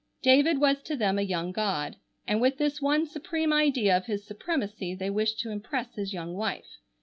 David was to them a young god, and with this one supreme idea of his supremacy they wished to impress his young wife.